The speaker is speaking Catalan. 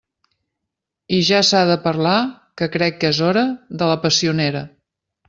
I ja s'ha de parlar —que crec que és hora— de la passionera.